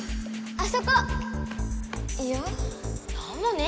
あそこ！